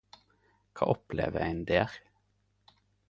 Kva opplever ein der?